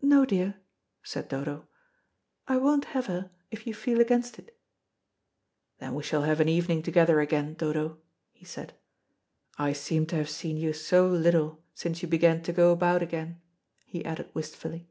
"No, dear," said Dodo. "I won't have her, if you feel against it." "Then we shall have an evening together again, Dodo," he said. "I seem to have seen you so little, since you began to go about again," he added wistfully.